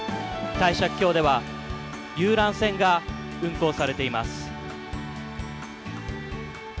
帝釈峡では遊覧船が運航されています。